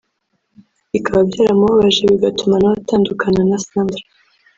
bikaba byaramubabaje bigatuma nawe atandukana na Sandra